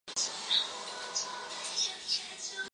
鹤舞车站中央本线与名古屋市营地下铁鹤舞线之车站。